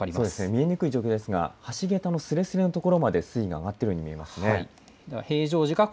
見えにくい状況ですが橋げたのすれすれの所まで水位が上がっているように見えます。